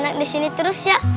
enak disini terus ya